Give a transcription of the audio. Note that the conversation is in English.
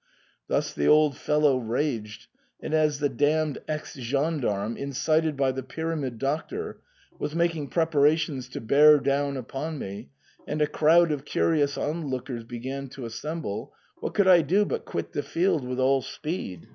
Thus the old fellow raged, and as the damned ex gendarme, incited by the Pyramid Doctor, was making preparations to bear down upon me, and a crowd of curious onlookers began to assemble, what could I do but quit the field with all speed